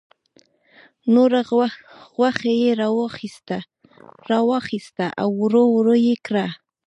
نوره غوښه یې را واخیسته او وړه وړه یې کړه.